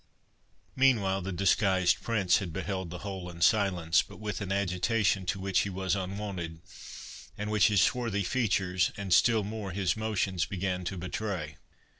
Meanwhile, the disguised Prince had beheld the whole in silence, but with an agitation to which he was unwonted, and which his swarthy features, and still more his motions, began to betray.